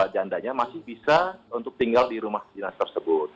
jandanya masih bisa untuk tinggal di rumah dinas tersebut